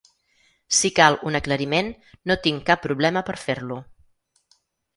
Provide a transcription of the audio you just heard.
Si cal un aclariment, no tinc cap problema per fer-lo.